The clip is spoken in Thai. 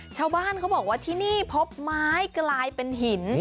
ชาวบ้านเขาบอกว่าที่นี่พบไม้กลายเป็นหิน